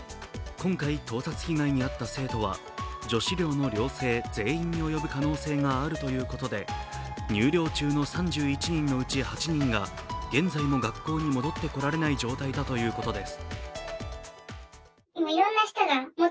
今回、盗撮被害に遭った生徒は女子寮の寮生全員に及ぶ可能性があるということで入寮中の３１人のうち８人が現在も学校に戻ってこられない状態だということです。